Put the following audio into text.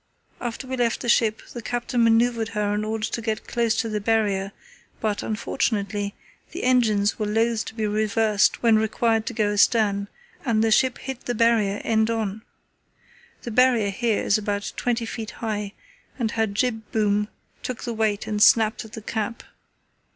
After we left the ship the captain manœuvred her in order to get close to the Barrier, but, unfortunately, the engines were loath to be reversed when required to go astern and the ship hit the Barrier end on. The Barrier here is about twenty feet high, and her jib boom took the weight and snapped at the cap.